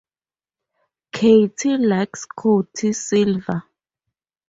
Katie likes Scottie Silver.